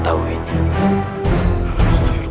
terima kasih bros